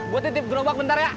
buat titip gerobak bentar ya